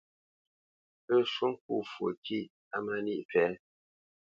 Lə́ shwô ŋkó fwo kîʼ á má níʼ fɛ̌.